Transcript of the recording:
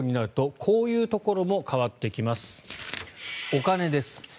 お金です。